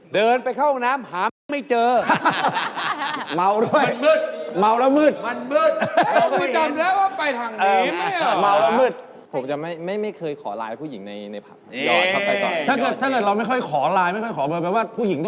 เดินไปเข้าห้องน้ำหาพริกไม่เจอ